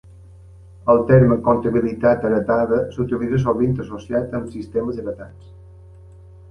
El terme "compatibilitat heretada" s'utilitza sovint associat amb sistemes heretats.